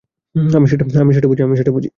আমি সেটা বুঝি।